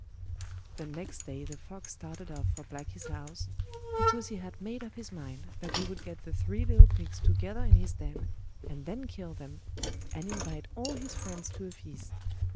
The next day the fox started off for Blacky's house, because he had made up his mind that he would get the three little pigs together in his den, and then kill them, and invite all his friends to a feast.